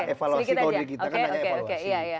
evaluasi kalau diri kita kan hanya evaluasi